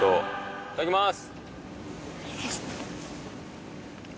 いただきます。